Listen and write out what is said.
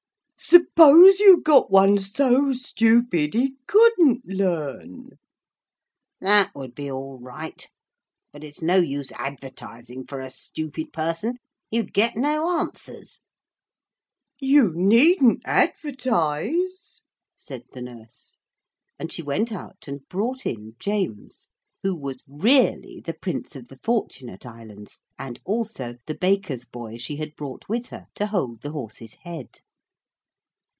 'Suppose you got one so stupid he couldn't learn?' 'That would be all right but it's no use advertising for a stupid person you'd get no answers.' 'You needn't advertise,' said the nurse; and she went out and brought in James, who was really the Prince of the Fortunate Islands, and also the baker's boy she had brought with her to hold the horse's head.